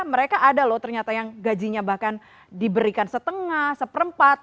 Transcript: mereka ada loh ternyata yang gajinya bahkan diberikan setengah seperempat